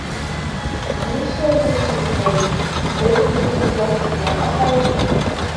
— Нишләйһең тип ней... эт еҫе килгән икмәк ашайым.